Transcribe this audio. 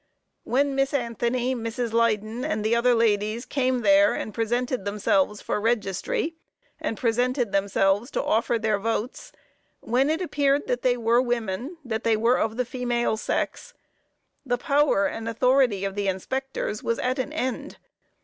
When Miss Anthony, Mrs. Leyden and the other ladies came there and presented themselves for registry, and presented themselves to offer their votes, when it appeared that they were women that they were of the female sex the power and authority of the inspectors was at an end.